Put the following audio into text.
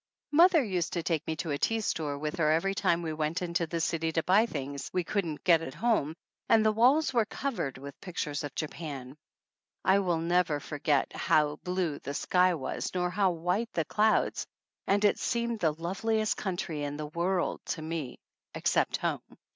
Mother used to take me to a tea store with her every time we went into the city to buy things we couldn't get at home and the walls were covered with pictures of Japan. I never will forget how blue the sky was nor how white the clouds, and it seemed the loveliest country in the world to me, except home.